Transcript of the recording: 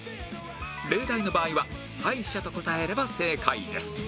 例題の場合は歯医者と答えれば正解です